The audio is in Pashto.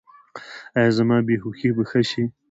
ایا زما بې هوښي به ښه شي؟